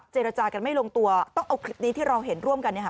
เจรจากันไม่ลงตัวต้องเอาคลิปนี้ที่เราเห็นร่วมกันเนี่ยค่ะ